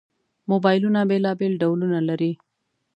موبایلونه بېلابېل ډولونه لري.